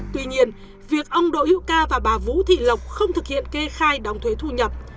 tuy nhiên việc ông đỗ hữu ca và bà vũ thị lộc không thực hiện kê khai đóng thuế thu nhập